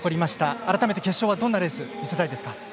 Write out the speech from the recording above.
改めて決勝はどんなレースを見せたいですか？